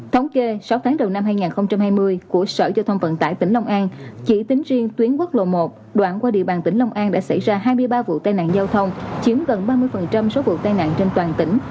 thống kê sáu tháng đầu năm hai nghìn hai mươi của sở giao thông vận tải tỉnh long an chỉ tính riêng tuyến quốc lộ một đoạn qua địa bàn tỉnh long an đã xảy ra hai mươi ba vụ tai nạn giao thông chiếm gần ba mươi số vụ tai nạn trên toàn tỉnh